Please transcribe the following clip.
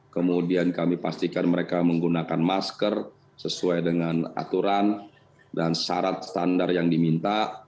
kemudian kami pastikan mereka menggunakan masker sesuai dengan aturan dan syarat standar yang diminta